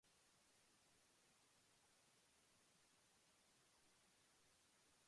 European cuisine is diverse, flavorful, and delicious.